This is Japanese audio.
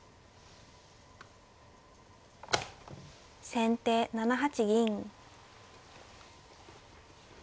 先手７八銀。